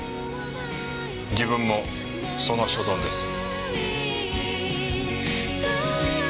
自分もその所存です。